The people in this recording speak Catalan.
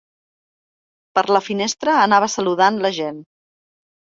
Per la finestra anava saludant la gent.